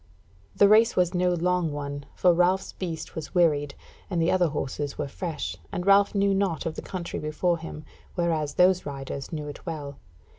The race was no long one, for Ralph's beast was wearied, and the other horses were fresh, and Ralph knew naught of the country before him, whereas those riders knew it well.